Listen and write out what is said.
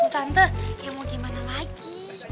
tante ya mau gimana lagi